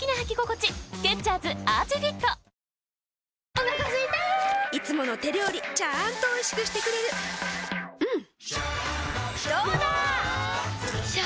お腹すいたいつもの手料理ちゃんとおいしくしてくれるジューうんどうだわ！